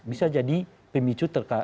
bisa jadi pemicu terkait